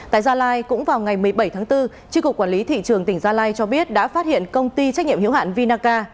tại gia lai cũng vào ngày một mươi bảy tháng bốn tri cục quản lý thị trường tỉnh gia lai cho biết đã phát hiện công ty trách nhiệm hiệu hạn vinaca